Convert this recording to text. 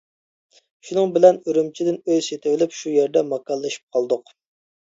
شۇنىڭ بىلەن ئۈرۈمچىدىن ئۆي سېتىۋېلىپ شۇ يەردە ماكانلىشىپ قالدۇق.